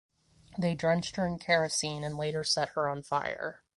They drenched her in kerosene and later set her on fire.